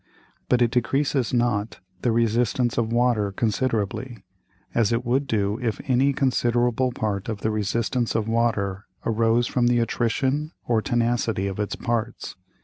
But it decreases not the Resistance of Water considerably, as it would do if any considerable part of the Resistance of Water arose from the Attrition or Tenacity of its Parts.